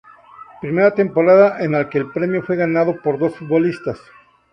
Primera temporada en que el premio fue ganado por dos futbolistas.